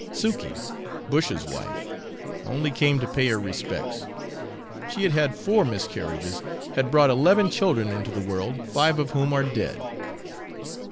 Sukey, Bush's wife, only came to pay her respects. She had had four miscarriages, had brought eleven children into the world, five of whom are dead.